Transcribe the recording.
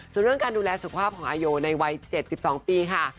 ส่วนเรื่องการดูแลสุขภาพของอาโยในวัย๗๒ปีค่ะ